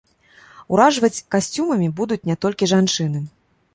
Уражваць касцюмамі будуць не толькі жанчыны.